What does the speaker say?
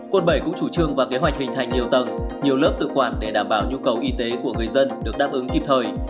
quận bảy cũng chủ trương và kế hoạch hình thành nhiều tầng nhiều lớp tự quản để đảm bảo nhu cầu y tế của người dân được đáp ứng kịp thời